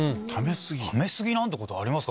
ため過ぎなんてことありますか？